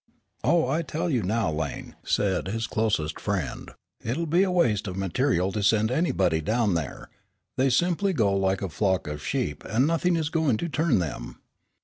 "Oh, I tell you now, Lane," said his closest friend, "it'll be a waste of material to send anybody down there. They simply go like a flock of sheep, and nothing is going to turn them."